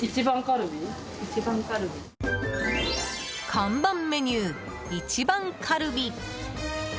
看板メニュー、いちばんカルビ。